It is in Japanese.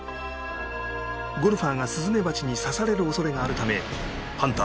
ゴルファーがスズメバチに刺される恐れがあるためハンター